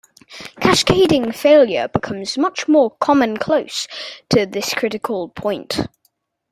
Cascading failure becomes much more common close to this critical point.